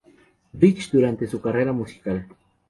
Rich durante su carrera musical.